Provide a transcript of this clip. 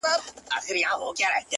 • ډېر کسان دي نه د جنګ وي نه د ننګ وي ,